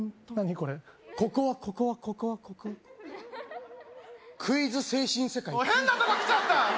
ここはここはここはここはここはクイズ精神世界クイズ精神世界おい変なとこ来ちゃった！